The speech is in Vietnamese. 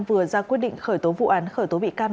vừa ra quyết định khởi tố vụ án khởi tố bị can